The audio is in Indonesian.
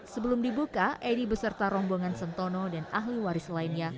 sebelum dibuka edi beserta rombongan sentono dan ahli waris lainnya